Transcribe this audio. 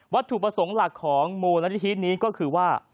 ถูกประสงค์หลักของมูลนิธินี้ก็คือว่า